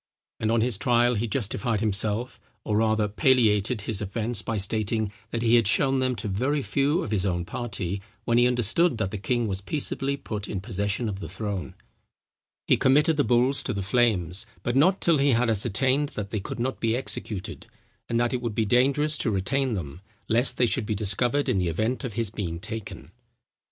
And on his trial, he justified himself, or rather palliated his offence, by stating, that he had shown them to very few of his own party, when he understood that the king was peaceably put in possession of the throne. He committed the bulls to the flames, but not till he had ascertained that they could not be executed, and that it would be dangerous to retain them, lest they should be discovered in the event of his being taken.